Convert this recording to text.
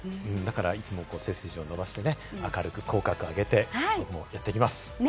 いつも背筋を伸ばしてね、明るく口角を上げてやっていきます。